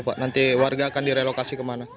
pak nanti warga akan direlokasi kemana